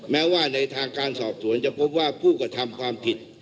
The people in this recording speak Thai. แม้ว่าในทางการสอบสวนจะพบว่าผู้กระทำความผิด